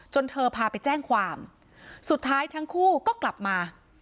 เธอพาไปแจ้งความสุดท้ายทั้งคู่ก็กลับมา